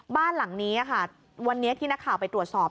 บ้านหลังนี้ค่ะวันนี้ที่นักข่าวไปตรวจสอบ